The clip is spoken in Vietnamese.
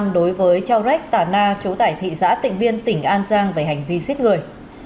đối với châu rách tả na chấu tải thị giã tỉnh viên tỉnh an giang về hành vi xích người